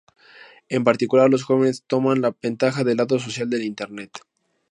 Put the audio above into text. En particular los jóvenes toman la ventaja del lado social del internet.